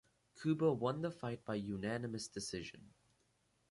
Kubo won the fight by unanimous decision.